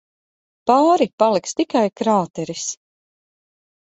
Pāri paliks tikai krāteris.